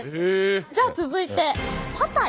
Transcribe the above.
じゃあ続いてパタイ。